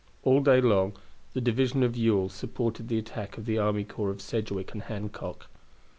All day long the division of Ewell supported the attack of the army corps of Sedgwick and Hancock.